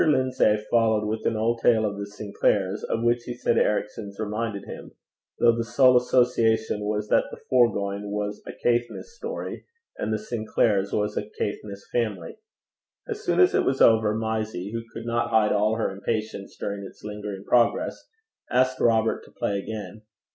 Lindsay followed with an old tale of the Sinclairs, of which he said Ericson's reminded him, though the sole association was that the foregoing was a Caithness story, and the Sinclairs are a Caithness family. As soon as it was over, Mysie, who could not hide all her impatience during its lingering progress, asked Robert to play again.